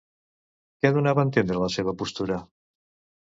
Què donava a entendre la seva postura?